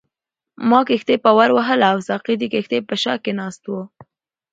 ما کښتۍ پارو وهله او ساقي د کښتۍ په شا کې ناست وو.